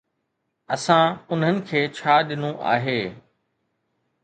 اسان انهن کي ڇا ڏنو آهي؟